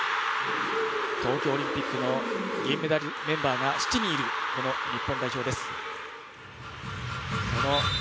東京オリンピックの銀メダルメンバーが７人いる日本代表です。